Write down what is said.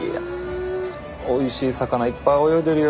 おいしい魚いっぱい泳いでるよ。